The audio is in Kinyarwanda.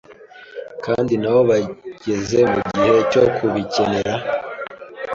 kandi nabo bageze mugihe cyo kubikenera,